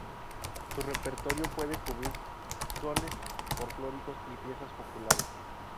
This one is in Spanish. Su repertorio puede cubrir sones folclóricos y piezas populares.